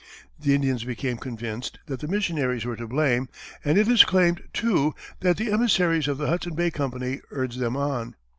The Indians became convinced that the missionaries were to blame, and it is claimed, too, that the emissaries of the Hudson Bay Company urged them on.